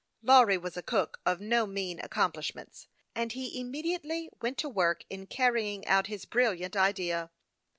Lawry was a cook of no mean accomplishments, and he immediately Avent to work in carrying out his brilliant idea.